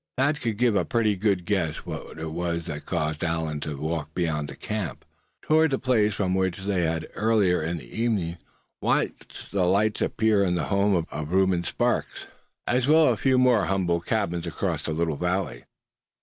Thad could give a pretty good guess what it was that caused Allan to walk beyond the camp toward the place from which they had earlier in the evening watched the lights appear in the home of Reuben Sparks, as well as the few more humble cabins across the little valley.